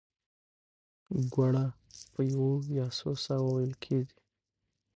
ګړه په یوه یا څو ساه وو وېل کېږي.